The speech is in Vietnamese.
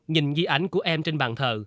nhìn dí ảnh của em trên bàn thờ